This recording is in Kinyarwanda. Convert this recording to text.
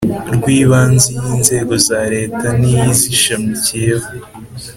rw ibanze iy inzego za Leta n iy izishamikiye